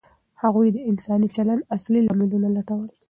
هغوی د انساني چلند اصلي لاملونه لټول.